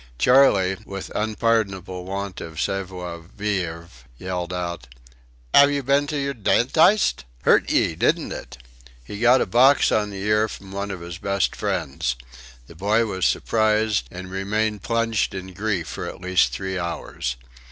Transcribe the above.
Charley, with unpardonable want of savoir vivre, yelled out: "'Ave you been to your dentyst?... Hurt ye, didn't it?" He got a box on the ear from one of his best friends. The boy was surprised, and remained plunged in grief for at least three hours.